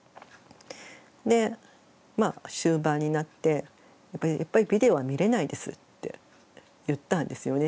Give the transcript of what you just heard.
で終盤になってやっぱりビデオは見れないですって言ったんですよね。